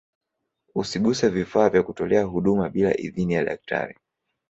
usiguse vifaa vya kutolea huduma bila idhini ya daktari